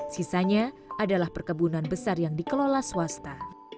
sisanya adalah perkebunan besar yang dikelola swasta